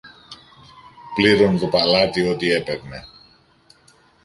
πλήρωνε το παλάτι ό,τι έπαιρνε.